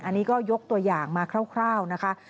อันนี้ก็ยกตัวอย่างมาคร่าวนะคะ